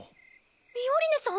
ミオリネさん？